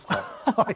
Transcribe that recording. はい。